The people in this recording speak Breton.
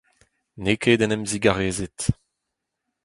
N'eo ket en em zigarezet.